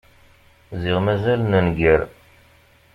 Ziɣ mazal nenger.